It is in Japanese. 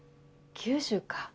九州か。